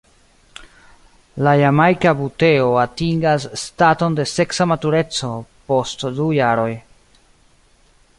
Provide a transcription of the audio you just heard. La Jamajka buteo atingas staton de seksa matureco post du jaroj.